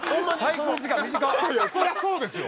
いやそりゃそうでしょ！